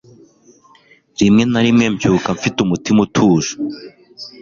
Rimwe na rimwe mbyuka mfite umutima utuje